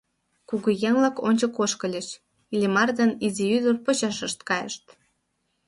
Кугыеҥ-влак ончык ошкыльыч, Иллимар ден изи ӱдыр почешышт кайышт.